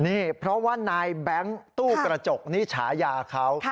นี่เพราะว่านายแบงค์ตู้กระจกนี่ฉายาเขา